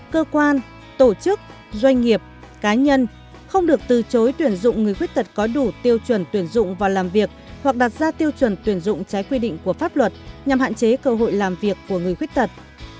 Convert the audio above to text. hai cơ quan tổ chức doanh nghiệp cá nhân không được từ chối tuyển dụng người khuyết tật có đủ tiêu chuẩn tuyển dụng vào làm việc hoặc đặt ra tiêu chuẩn tuyển dụng trái quy định của pháp luật nhằm hạn chế cơ hội làm việc của người khuyết tật